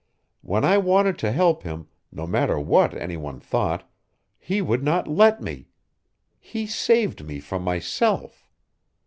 When I wanted to help him, no matter what any one thought, he would not let me! He saved me from myself.